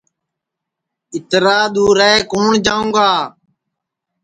اِترا دُؔورے کُوٹؔ جاؤں گا